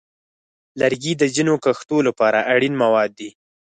لرګي د ځینو کښتو لپاره اړین مواد دي.